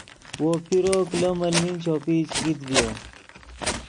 وو پیرو کلو ملمین چوپئی چے کیت ڤیو